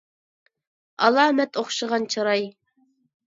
ئالامەت ئوخشىغان چىراي.